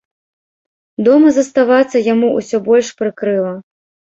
Дома заставацца яму ўсё больш прыкрыла.